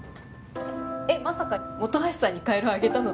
・えっまさか本橋さんにかえるあげたのって。